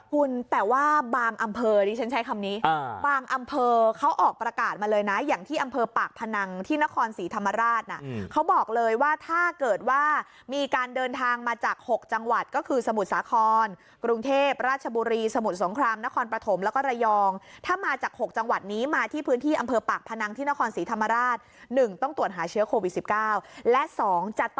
คุณแต่ว่าบางอำเภอดิฉันใช้คำนี้บางอำเภอเขาออกประกาศมาเลยนะอย่างที่อำเภอปากพนังที่นครศรีธรรมราชนะเขาบอกเลยว่าถ้าเกิดว่ามีการเดินทางมาจาก๖จังหวัดก็คือสมุทรสาครกรุงเทพราชบุรีสมุทรสงครามนครปฐมแล้วก็ระยองถ้ามาจาก๖จังหวัดนี้มาที่พื้นที่อำเภอปากพนังที่นครศรีธรรมราช๑ต้องตรวจหาเชื้อโควิด๑๙และ๒จัด